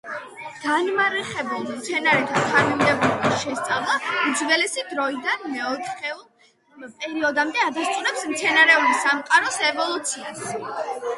განამარხებულ მცენარეთა თანამიმდევრული შესწავლა უძველესი დროიდან მეოთხეულ პერიოდამდე ადასტურებს მცენარეული სამყაროს ევოლუციას.